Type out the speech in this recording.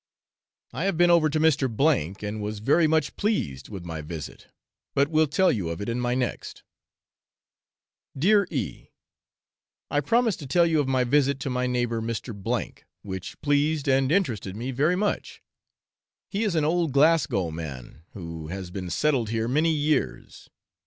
I have been over to Mr. C , and was very much pleased with my visit, but will tell you of it in my next. Dear E . I promised to tell you of my visit to my neighbour Mr. C , which pleased and interested me very much. He is an old Glasgow man, who has been settled here many years.